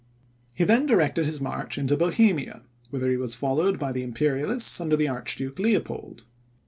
He then directed his march into Bohemia, whither he was followed by the Imperialists, under the Archduke Leopold.